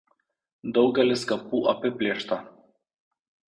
Daugelis kapų apiplėšta.